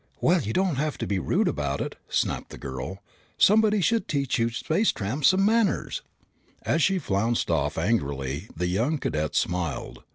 "Well, you don't have to be rude about it!" snapped the girl. "Somebody should teach you space tramps some manners!" As she flounced off angrily the young cadet smiled.